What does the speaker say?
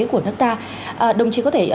của nước ta đồng chí có thể